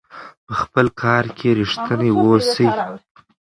په خپل کار کې ریښتیني اوسئ.